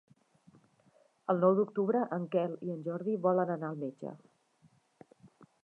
El nou d'octubre en Quel i en Jordi volen anar al metge.